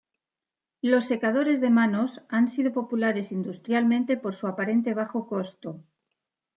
Los secadores de manos han sido populares industrialmente por su aparente bajo costo.